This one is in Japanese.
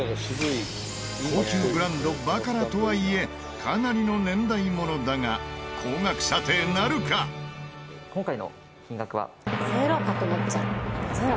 高級ブランドバカラとはいえかなりの年代ものだが「０かと思っちゃう。